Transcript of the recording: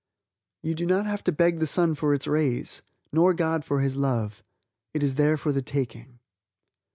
You do not have to beg the sun for its rays, nor God for His love. It is there for the taking.